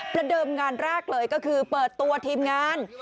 เดิมงานแรกเลยก็คือเปิดตัวทีมงาน